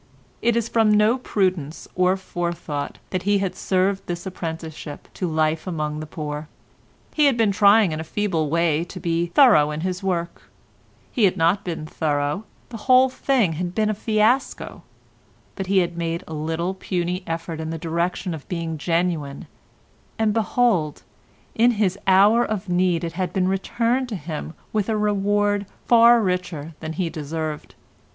It was from no prudence or forethought that he had served this apprenticeship to life among the poor. He had been trying in a feeble way to be thorough in his work: he had not been thorough, the whole thing had been a fiasco; but he had made a little puny effort in the direction of being genuine, and behold, in his hour of need it had been returned to him with a reward far richer than he had deserved.